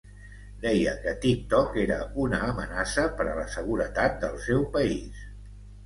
deia que TikTok era una amenaça per a la seguretat del seu país